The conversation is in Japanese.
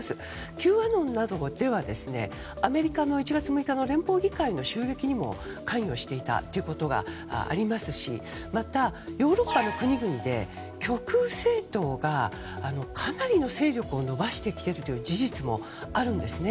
Ｑアノンなどではアメリカの１月６日の連邦議会の襲撃にも関与していたということがありますしまたヨーロッパの国々で極右政党が、かなりの勢力を伸ばしてきているという事実もあるんですね。